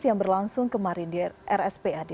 yang berlangsung kemarin di rspad